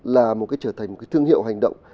là một cái trở thành thương hiệu hành động